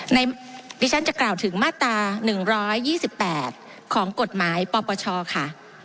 ในที่ฉันจะกล่าวถึงมาตราหนึ่งร้อยยี่สิบแปดของกฎหมายปปชค่ะ